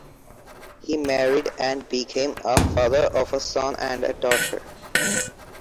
He married and became the father of a son and a daughter.